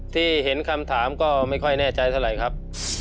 ที่เห็นคำถามก็ไม่ค่อยแน่ใจเท่าไหร่ครับ